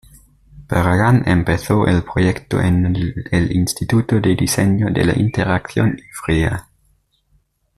Barragán Empezó el proyecto en el Instituto de Diseño de la Interacción Ivrea.